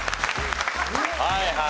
はいはい。